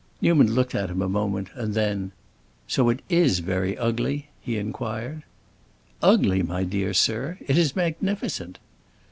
Newman looked at him a moment, and then, "So it is very ugly?" he inquired. "Ugly, my dear sir? It is magnificent."